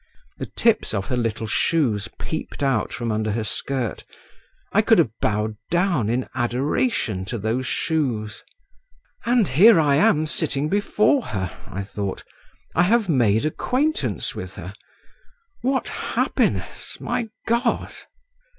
The tips of her little shoes peeped out from under her skirt; I could have bowed down in adoration to those shoes…. "And here I am sitting before her," I thought; "I have made acquaintance with her … what happiness, my God!"